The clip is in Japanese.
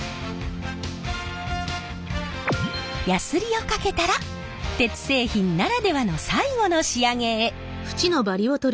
やすりをかけたら鉄製品ならではの最後の仕上げへ。